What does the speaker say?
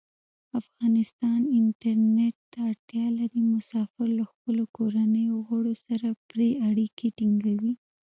افغانستان انټرنیټ ته اړتیا لري. مسافر له خپلو کورنیو غړو سره پری اړیکې ټینګوی.